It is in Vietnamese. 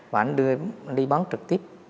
và anh đưa đi bán trực tiếp